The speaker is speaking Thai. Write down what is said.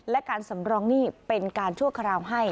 และการสำรองหนี้เป็นการชั่วคราวให้